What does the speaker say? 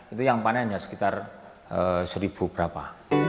itu yang panennya sekitar satu berapa